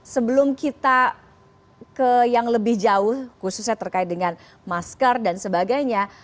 sebelum kita ke yang lebih jauh khususnya terkait dengan masker dan sebagainya